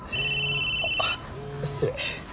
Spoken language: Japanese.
あっ失礼。